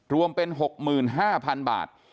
รวมเป็น๖๕๐๐๐บาท